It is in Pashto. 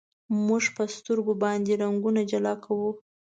موږ په سترګو باندې رنګونه جلا کوو.